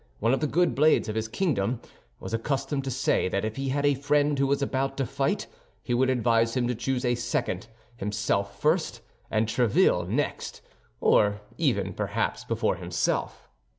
one of the good blades of his kingdom, was accustomed to say that if he had a friend who was about to fight, he would advise him to choose as a second, himself first, and Tréville next—or even, perhaps, before himself.